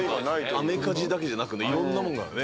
アメカジだけじゃなくていろんなものがあるね。